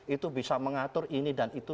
itu bisa mengatur ini dan itu